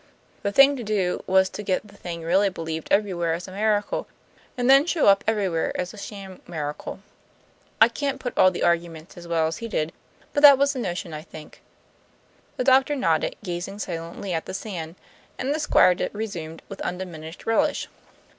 The thing to do was to get the thing really believed everywhere as a miracle, and then shown up everywhere as a sham miracle. I can't put all the arguments as well as he did, but that was the notion, I think." The doctor nodded, gazing silently at the sand; and the Squire resumed with undiminished relish.